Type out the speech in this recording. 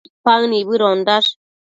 Paë nibëdondash